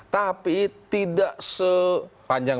tapi tidak sepanjang